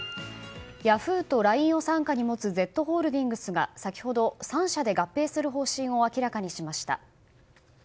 ヤフーとＬＩＮＥ参加に持つＺホールディングスが先ほど３社で合併する方針を明らかにしました。